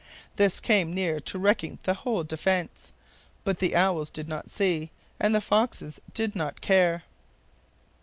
This came near to wrecking the whole defence. But the owls did not see, and the foxes did not care.